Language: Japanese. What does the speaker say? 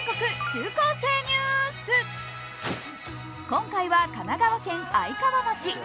今回は、神奈川県愛川町。